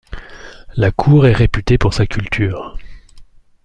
La cour est réputée pour sa culture.